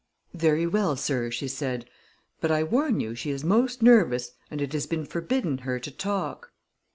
"Very well, sir," she said. "But I warn you, she is most nervous and it has been forbidden her to talk."